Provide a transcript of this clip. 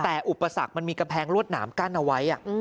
แต่อุปสรรคมันมีกำแพงลวดหนามกั้นเอาไว้